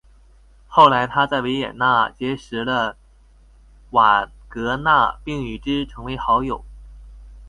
后来他在维也纳结识了瓦格纳并与之成为好友。